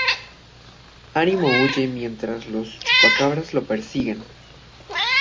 Animo huye mientras los Chupacabras lo persiguen.